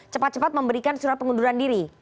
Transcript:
cepat cepat memberikan surat pengunduran diri